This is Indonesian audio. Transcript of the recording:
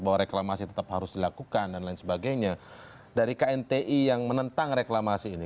bahwa reklamasi tetap harus dilakukan dan lain sebagainya dari knti yang menentang reklamasi ini